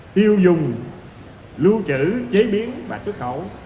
tiêu dùng lưu trữ chế biến và xuất khẩu